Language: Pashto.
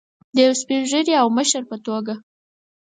د یو سپین ږیري او مشر په توګه.